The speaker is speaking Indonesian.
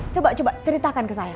coba coba ceritakan ke saya